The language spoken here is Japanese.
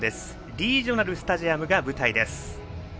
リージョナルスタジアムが舞台です。